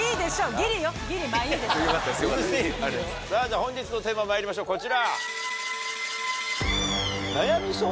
本日のテーマまいりましょうこちら。